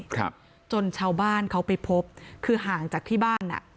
ครับจนชาวบ้านเขาไปพบคือห่างจากที่บ้านอ่ะ